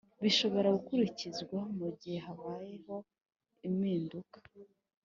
bishobora gukurikizwa mugihe habayeho iminduka